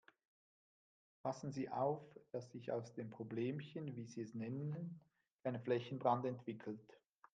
Passen Sie auf, dass sich aus dem Problemchen, wie Sie es nennen, kein Flächenbrand entwickelt.